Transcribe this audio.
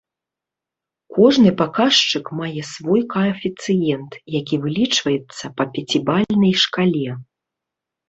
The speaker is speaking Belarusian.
Кожны паказчык мае свой каэфіцыент, які вылічваецца па пяцібальнай шкале.